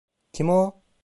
Kim o?